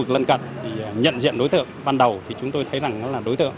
lần cận nhận diện đối tượng ban đầu thì chúng tôi thấy rằng nó là đối tượng